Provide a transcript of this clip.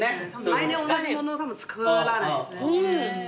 来年同じものたぶん作らないですね。